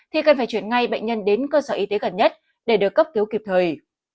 thì cần phải chuyển ngay bệnh nhân đến cơ sở y tế gần nhất để được cấp cứu kịp thời